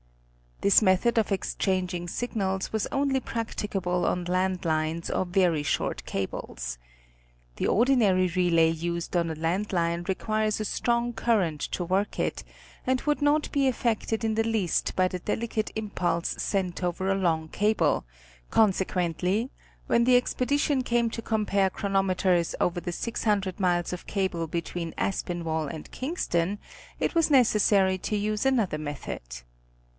This method of exchanging signals was only practicable on land lines or very short cables. "The ordinary relay used on a land lime requires a strong current to work it, and would not be affected in the least by the delicate impulse sent over a long cable, consequently when the expedition came to compare chronometers over the 600 miles of cable between Aspinwall and Kingston, it was necessary to use another method.